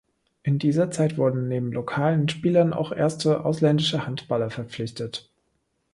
In dieser Zeit wurden neben lokalen Spielern auch erste ausländische Handballer verpflichtet.